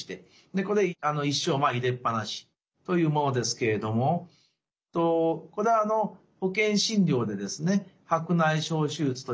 でこれ一生入れっ放しというものですけれどもこれ保険診療でですね